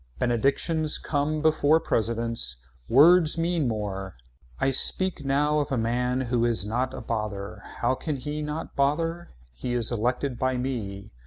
Benedictions come before presidents. Words mean more. I speak now of a man who is not a bother. How can he not bother. He is elected by me.